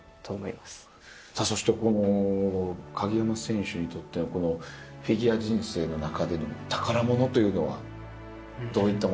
そして鍵山選手にとってのフィギュア人生の中での宝物というのはどういったものでしょう？